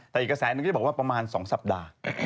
แต่อีกกระแสหนึ่งก็จะบอกว่าประมาณ๒สัปดาห์